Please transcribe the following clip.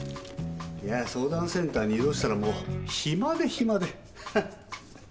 いや相談センターに異動したらもう暇で暇でははっ。